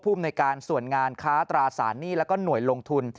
ภูมิในการส่วนงานค้าตราสารหนี้แล้วก็หน่วยลงทุน